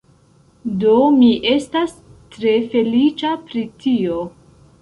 Do, mi estas tre feliĉa pri tio